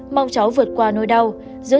mong cháu vượt qua nỗi đau giữ